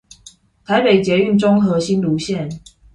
臺北捷運中和新蘆線